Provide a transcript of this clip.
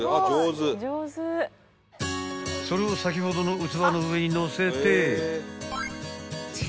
［それを先ほどの器の上にのせて］